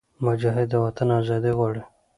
مجاهد د وطن ازادي غواړي.